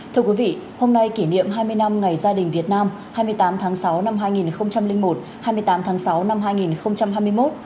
thưa quý vị hôm nay kỷ niệm hai mươi năm ngày gia đình việt nam hai mươi tám tháng sáu năm hai nghìn một hai mươi tám tháng sáu năm hai nghìn hai mươi một